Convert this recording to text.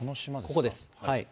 ここです。